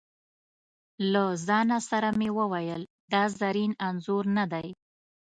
له ځانه سره مې وویل: دا زرین انځور نه دی.